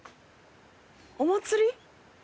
お祭り？